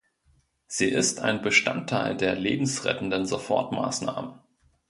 Sie ist ein Bestandteil der Lebensrettenden Sofortmaßnahmen.